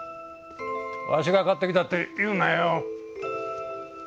わしが買ってきたって言うなよ。